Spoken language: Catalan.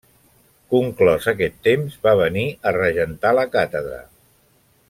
Conclòs aquest temps va venir a regentar la càtedra.